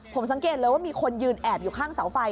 ผมสังเกตเลยว่ามีคนยืนแอบอยู่ข้างเสาไฟ